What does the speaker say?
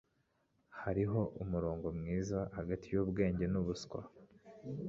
Hariho umurongo mwiza hagati yubwenge nubuswa.